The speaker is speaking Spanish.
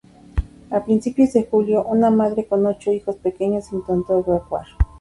A principios de julio, una madre, con ocho hijos pequeños, intentó evacuar.